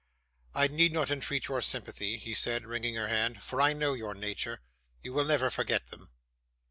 'I need not entreat your sympathy,' he said, wringing her hand, 'for I know your nature. You will never forget them.